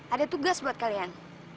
ada tugas buat kalian